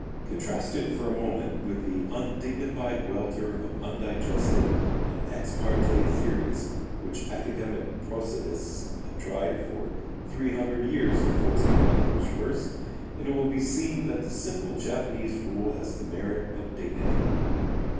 Contrast it for a moment with the undignified welter of undigested and ex parte theories which academic prosodists have tried for three hundred years to foist upon English verse, and it will be seen that the simple Japanese rule has the merit of dignity.